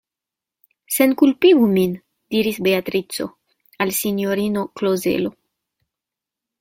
Senkulpigu min, diris Beatrico al sinjorino Klozelo.